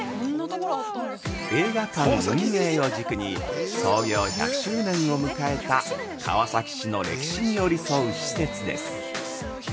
映画館運営を軸に創業１００周年を迎えた川崎市の歴史に寄り添う施設です。